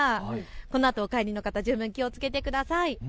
このあとお帰りの方十分気をつけてください。